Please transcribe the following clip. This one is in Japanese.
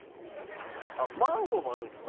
マンゴーもあるんですか？